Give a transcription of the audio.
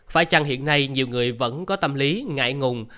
phải chăng hiện nay nhiều người vẫn có tâm lý ngại ngùng